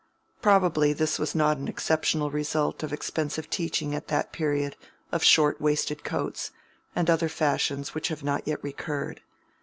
Probably this was not an exceptional result of expensive teaching at that period of short waisted coats, and other fashions which have not yet recurred.